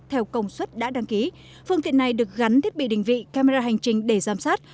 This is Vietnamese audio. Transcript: theo công suất đã đăng ký phương tiện này được gắn thiết bị định vị camera hành trình để giám sát